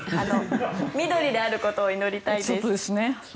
緑であることを祈りたいです。